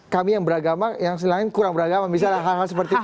kami yang beragama yang lain kurang beragama misalnya hal hal seperti itu